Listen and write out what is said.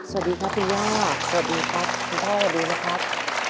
สวัสดีครับคุณย่าสวัสดีครับคุณพ่อสวัสดีนะครับ